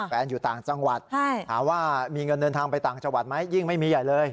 อยู่ต่างจังหวัดหาว่ามีเงินเดินทางไปต่างจังหวัดไหมยิ่งไม่มีใหญ่เลย